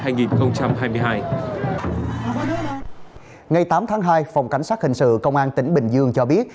ngày tám tháng hai phòng cảnh sát hình sự công an tỉnh bình dương cho biết